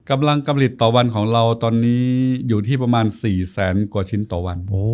กำลังกำหลิดต่อวันของเราตอนนี้อยู่ที่ประมาณ๔แสนกว่าชิ้นต่อวัน